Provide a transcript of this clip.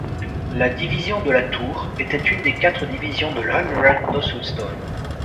La Division de la Tour était une des quatre division de l'Hundred d'Ossulstone.